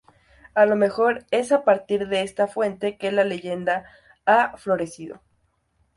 A lo mejor es a partir de esta fuente que la leyenda ha florecido.